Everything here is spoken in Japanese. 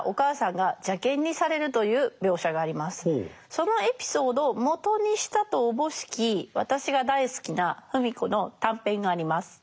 そのエピソードをもとにしたとおぼしき私が大好きな芙美子の短編があります。